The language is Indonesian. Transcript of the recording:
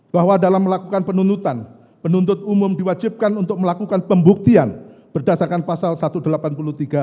bahwa dalam melakukan penuntutan penuntut umum diwajibkan untuk melakukan pembuktian berdasarkan pasal satu ratus delapan puluh tiga kitab undang undang hukum acara pidana